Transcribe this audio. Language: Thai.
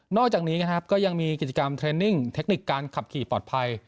นอกจากนี้ก็ยังมีกิจกรรมเทคนิคการขับขี่ปลอดภัย